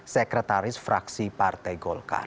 sekretaris fraksi partai golkar